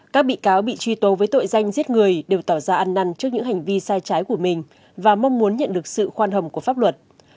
các bị cáo bị truy tố với tội danh giết người đều tỏ ra ăn năn trước những hành vi sai trái của mình và mong muốn nhận được sự khoan hầm của pháp luật